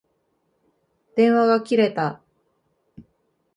電話が切れた。